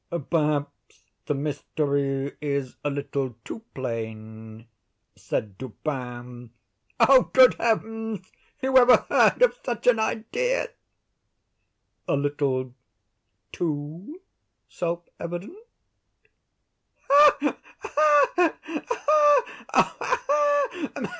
"Perhaps the mystery is a little too plain," said Dupin. "Oh, good heavens! who ever heard of such an idea?" "A little too self evident."